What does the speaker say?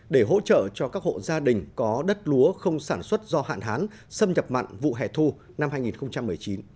để hỗ trợ cho các hộ gia đình có đất lúa không sản xuất do hạn hán xâm nhập mặn vụ hẻ thu năm hai nghìn một mươi chín